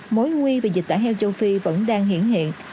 mối nguy về dịch tả heo châu phi vẫn đang hiện hiện